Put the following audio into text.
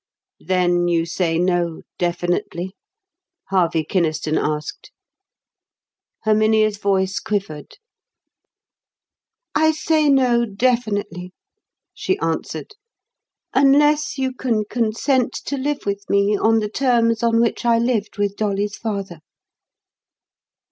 "Then you say no definitely?" Harvey Kynaston asked. Herminia's voice quivered. "I say no definitely," she answered; "unless you can consent to live with me on the terms on which I lived with Dolly's father."